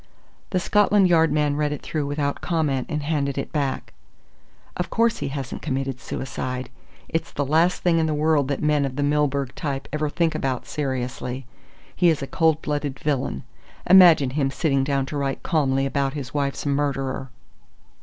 The Scotland Yard man read it through without comment and handed it back. "Of course he hasn't committed suicide. It's the last thing in the world that men of the Milburgh type ever think about seriously. He is a cold blooded villain. Imagine him sitting down to write calmly about his wife's murderer!"